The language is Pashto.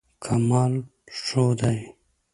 کمال ښودی.